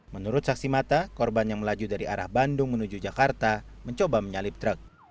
menurut saksi mata korban yang melaju dari arah bandung menuju jakarta mencoba menyalip truk